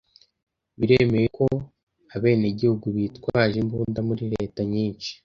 Biremewe ko abenegihugu bitwaje imbunda muri leta nyinshi.